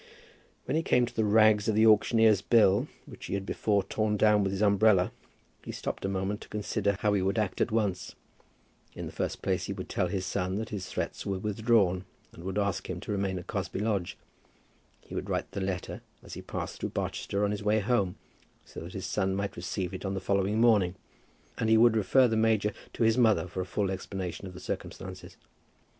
When he came to the rags of the auctioneer's bill, which he had before torn down with his umbrella, he stopped a moment to consider how he would act at once. In the first place he would tell his son that his threats were withdrawn, and would ask him to remain at Cosby Lodge. He would write the letter as he passed through Barchester, on his way home, so that his son might receive it on the following morning; and he would refer the major to his mother for a full explanation of the circumstances.